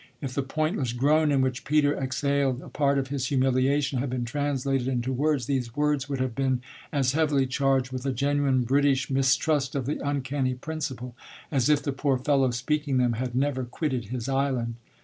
If the pointless groan in which Peter exhaled a part of his humiliation had been translated into words, these words would have been as heavily charged with a genuine British mistrust of the uncanny principle as if the poor fellow speaking them had never quitted his island.